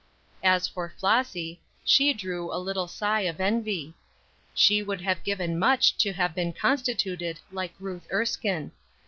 As for Flossy, she drew a little sigh of envy. She would have given much to have been constituted like Ruth Erskine.